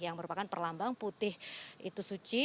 yang merupakan perlambang putih itu suci